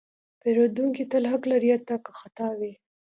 پیرودونکی تل حق لري، حتی که خطا وي.